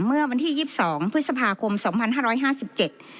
เมื่อวันที่ยี่สิบสองพฤษภาคมสองพันห้าร้อยห้าสิบเจ็ด